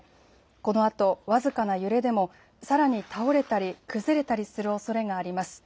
このあと僅かな揺れでもさらに倒れたり、崩れたりするおそれがあります。